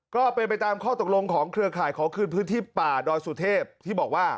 ก็เป็นไปตามข้อตกลงของเครือข่ายขอคืนพื้นที่ป่าดอยสุเทพที่บอกว่า